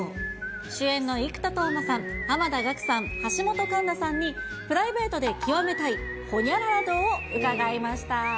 主演の生田斗真さん、濱田岳さん、橋本環奈さんにプライベートで究めたいほにゃらら道を伺いました。